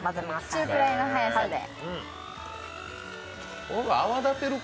中くらいの速さで。